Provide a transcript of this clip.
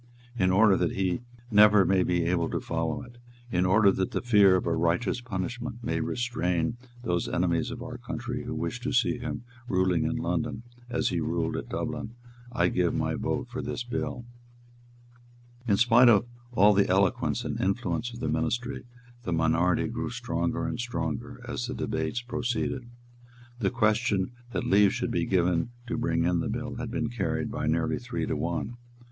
In order that he never may be able to follow it, in order that the fear of a righteous punishment may restrain those enemies of our country who wish to see him ruling in London as he ruled at Dublin, I give my vote for this bill." In spite of all the eloquence and influence of the ministry, the minority grew stronger and stronger as the debates proceeded. The question that leave should be given to bring in the bill had been carried by nearly three to one.